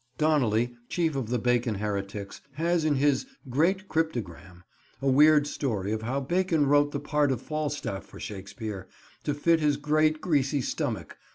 Donnelly, chief of the Bacon heretics, has in his Great Cryptogram, a weird story of how Bacon wrote the part of Falstaff for Shakespeare, to fit his great greasy stomach.